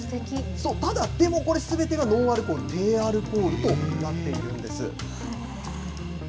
ただ、でもこれ、すべてがノンアルコール・低アルコールとなっているんです。